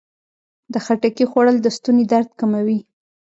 د خټکي خوړل د ستوني درد کموي.